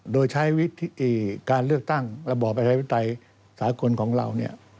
โดยใช้การเลือกตั้งระบบประชาวิทยาลัยสากลของเรา